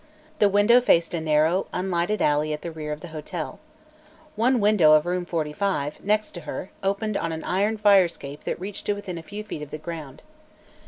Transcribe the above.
The window faced a narrow, unlighted alley at the rear of the hotel. One window of Room 45, next to her, opened on an iron fire escape that reached to within a few feet of the ground.